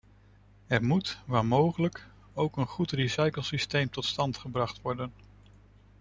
Er moet, waar mogelijk, ook een goed recyclingsysteem tot stand gebracht worden.